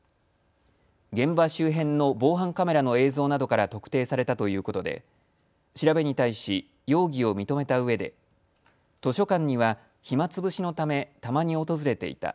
現場周辺の防犯カメラの映像などから特定されたということで調べに対し、容疑を認めたうえで図書館には暇つぶしのためたまに訪れていた。